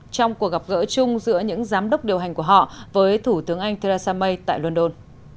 trong cuộc gặp gỡ chung giữa những giám đốc điều hành của họ với thủ tướng anh theresa may tại london